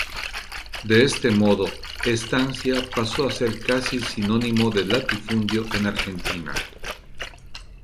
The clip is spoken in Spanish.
De este modo, "estancia" pasó a ser casi sinónimo de latifundio en Argentina.